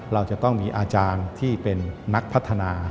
เราจะต้องมีอาจารย์ที่เป็นนักพัฒนา